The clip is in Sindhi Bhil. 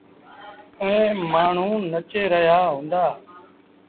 ائيٚݩ مآڻهوٚݩ نچي رهيآ هُݩدآ۔